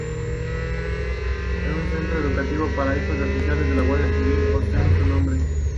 Un Centro Educativo para hijos de Oficiales de la Guardia Civil ostenta su nombre.